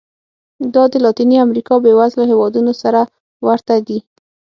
دا د لاتینې امریکا بېوزلو هېوادونو سره ورته دي.